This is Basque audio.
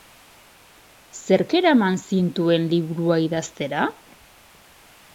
Zerk eraman zintuen liburua idaztera?